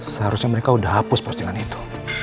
seharusnya mereka sudah hapus postingan itu